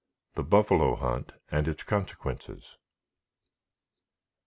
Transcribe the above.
THE BUFFALO HUNT AND ITS CONSEQUENCES.